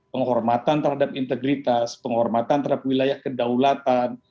penghormatan terhadap integritas penghormatan terhadap wilayah kedaulatan